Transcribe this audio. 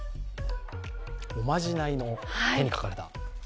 おまじないの、手に書かれた。